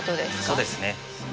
そうですね。